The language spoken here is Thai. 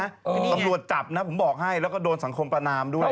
ตำรวจจับนะผมบอกให้แล้วก็โดนสังคมประนามด้วย